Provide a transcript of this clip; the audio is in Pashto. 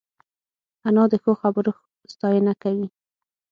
انا د ښو خبرو ستاینه کوي